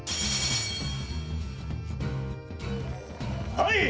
はい！